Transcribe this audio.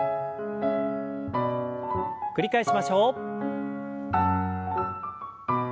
繰り返しましょう。